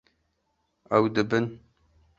Ew dibin.